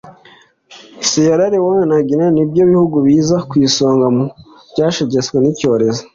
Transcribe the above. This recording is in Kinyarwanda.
Sierra Leone na Guinée ni byo bihugu biza ku isonga mu byashegeshwe n’iki cyorezo